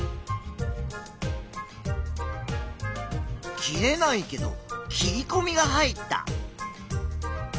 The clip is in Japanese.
切れないけど切りこみが入った。